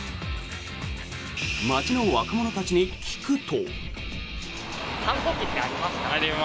街の若者たちに聞くと。